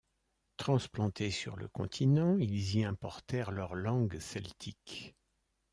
Transplantés sur le continent, ils y importèrent leur langue celtique.